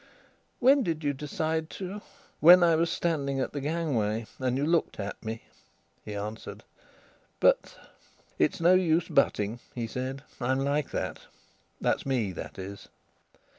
"When did you decide to..." "When I was standing at the gangway, and you looked at me," he answered. "But..." "It's no use butting," he said. "I'm like that.... That's me, that is."